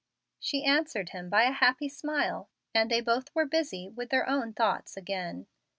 '" She answered him by a happy smile, and then both were busy with their own thoughts again.